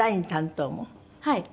はい。